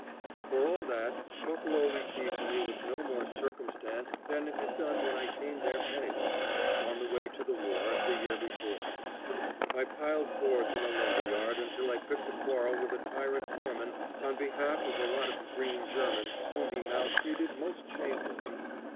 For all that, Buffalo received me with no more circumstance than it had done when I came there penniless, on the way to the war, the year before. I piled boards in a lumber yard until I picked a quarrel with a tyrant foreman on behalf of a lot of green Germans whom he maltreated most shamefully.